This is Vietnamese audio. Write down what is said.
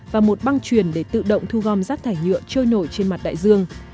và một băng truyền để tự động thu gom rác thải nhựa trôi nổi trên mặt đại dương